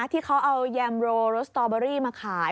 ที่เขาเอาแยมโรรสสตอเบอรี่มาขาย